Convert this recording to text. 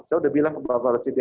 saya udah bilang ke bapak presiden